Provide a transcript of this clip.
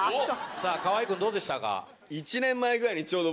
河合君どうでしたか？